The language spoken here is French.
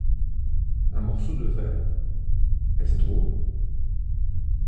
Un morceau de verre… est-ce drôle ?